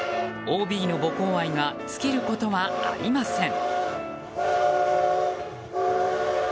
ＯＢの母校愛が尽きることはありません。